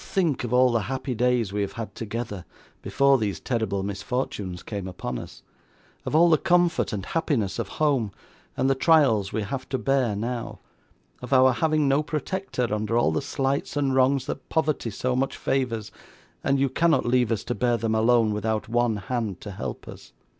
think of all the happy days we have had together, before these terrible misfortunes came upon us; of all the comfort and happiness of home, and the trials we have to bear now; of our having no protector under all the slights and wrongs that poverty so much favours, and you cannot leave us to bear them alone, without one hand to help us.